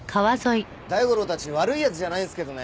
大五郎たち悪い奴じゃないんですけどね